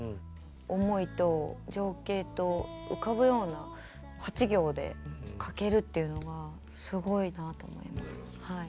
思いと情景と浮かぶような８行で書けるっていうのはすごいなあと思います。